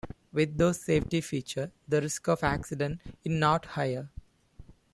With those safety feature the risk of accident in not higher.